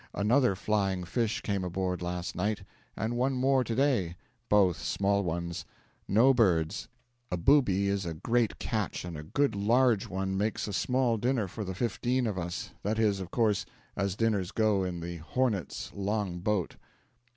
Another flying fish came aboard last night, and one more to day both small ones. No birds. A booby is a great catch, and a good large one makes a small dinner for the fifteen of us that is, of course, as dinners go in the 'Hornet's' long boat.